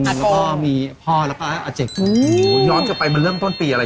แล้วก็มีพ่อแล้วก็อาเจ็กอมโอ้หูย้อนจะไปมาเริ่มต้นปีอะไร